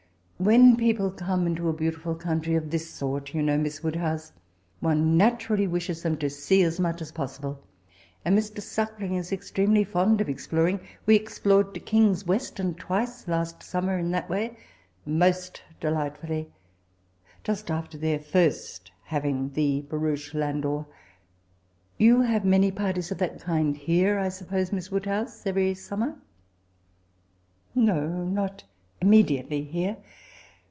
When people come into a beauti ful countiy of this sort, you know, Mias Woodhouse, one naturally wlahes tiiem to see as much as possible; and Mr. Sackling is extremely fond of exploring. We explored to King's Weston twice last summer, m that way, moet delightfully, just after their first having the barouche landau. You have many parties of that kind here, I suppose^ Ifiss WoodAiouse^ eveiy summer? *'*' No ; not iomiediately here.